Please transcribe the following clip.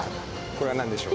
これは何でしょう。